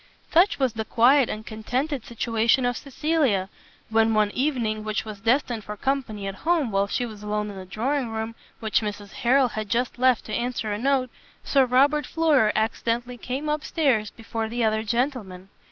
Such was the quiet and contented situation of Cecilia, when one evening, which was destined for company at home, while she was alone in the drawing room, which Mrs Harrel had just left to answer a note, Sir Robert Floyer accidentally came up stairs before the other gentlemen.